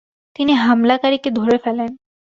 তিনি হামলাকারীকে ধরে ফেলেন।